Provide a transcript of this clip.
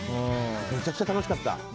めちゃくちゃ楽しかった。